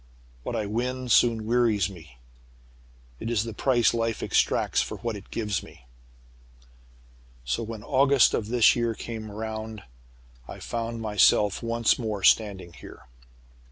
What I win soon wearies me. It is the price life exacts for what it gives me. "So, when August of this year came round, I found myself once more standing here.